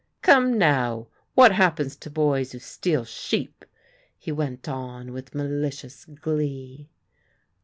"Come now, what happens to boys who steal sheep?" he went on with malicious glee.